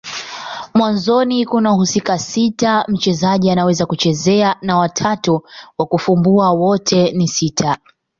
Mwanzoni kuna wahusika sita mchezaji anaweza kuchezea na watatu wa kufumbua. Wote ni tisa.